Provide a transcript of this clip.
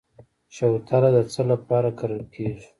شوتله د څه لپاره کرل کیږي؟